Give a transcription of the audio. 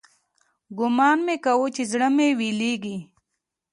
ګومان مې كاوه چې زړه مې ويلېږي.